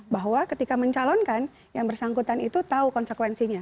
bahwa ketika mencalonkan yang bersangkutan itu tahu konsekuensinya